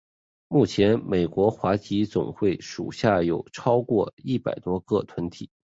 目前美国华商总会属下有超过一百多个团体。